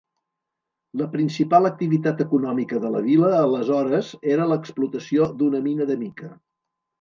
La principal activitat econòmica de la vila aleshores era l'explotació d'una mina de mica.